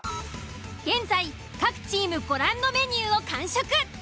現在各チームご覧のメニューを完食。